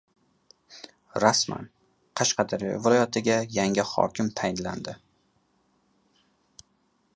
Rasman: Qashqadaryo viloyatiga yangi hokim tayinlandi